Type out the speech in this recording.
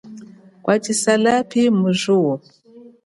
Kwatshisa lapi mu zuwo.